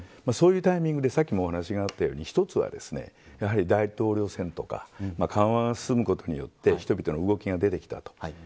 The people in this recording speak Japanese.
そういうタイミングで先ほどもお話があったように１つは、やはり大統領選とか緩和が進むことによって人々の動きが出てきた。